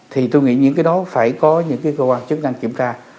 thì tôi nghĩ những cái đó phải có những cái cơ quan chức năng kiểm tra